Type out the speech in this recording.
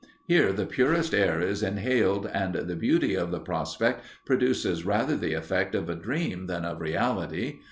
Here the purest air is inhaled, and the beauty of the prospect produces rather the effect of a dream than of reality.